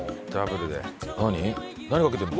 何かけてるの？